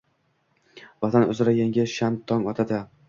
Vatan uzra yangi, shan tong otadi.